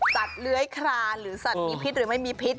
เลื้อยคลานหรือสัตว์มีพิษหรือไม่มีพิษ